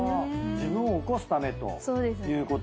自分を起こすためということで。